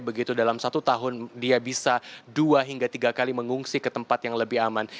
begitu dalam satu tahun dia bisa dua hingga tiga kali mengungsi ke tempat yang lebih aman